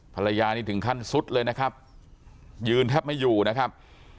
ภรรยานี่ถึงขั้นสุดเลยนะครับยืนแทบไม่อยู่นะครับ